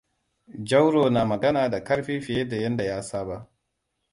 Jauro na magana da ƙarfi fiye da yadda ya saba.